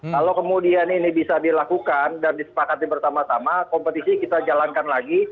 kalau kemudian ini bisa dilakukan dan disepakati bersama sama kompetisi kita jalankan lagi